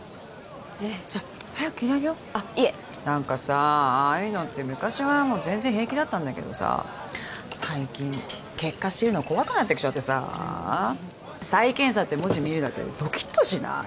ええじゃあ早く切り上げようあっいえ何かさああいうのって昔はもう全然平気だったんだけどさ最近結果知るの怖くなってきちゃってさ再検査って文字見るだけでドキッとしない？